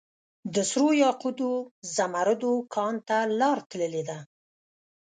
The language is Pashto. دسرو یاقوتو ، زمردو کان ته لار تللي ده